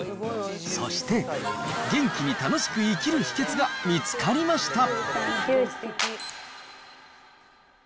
そして、元気に楽しく生きる秘けつが見つかりました。